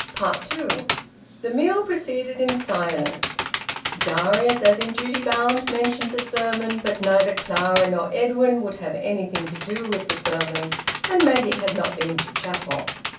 TWO. The meal proceeded in silence. Darius, as in duty bound, mentioned the sermon, but neither Clara nor Edwin would have anything to do with the sermon, and Maggie had not been to chapel.